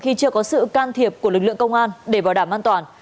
khi chưa có sự can thiệp của lực lượng công an để bảo đảm an toàn